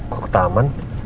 kok ke taman